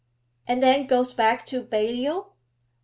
'And then goes back to Balliol?'